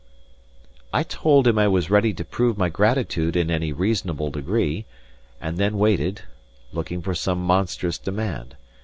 I told him I was ready to prove my gratitude in any reasonable degree, and then waited, looking for some monstrous demand.